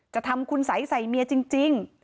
จะทำคุณสัยใส่เมียจริง